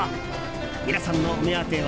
皆さんのお目当ては。